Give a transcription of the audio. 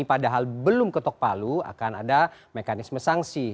padahal belum ketok palu akan ada mekanisme sanksi